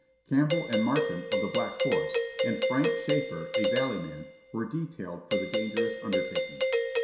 Campbell and Martin, of the Black Horse, and Frank Schafer, a Valley man, were detailed for the dangerous undertaking.